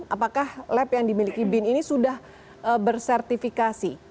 apakah lab yang dimiliki bin ini sudah bersertifikasi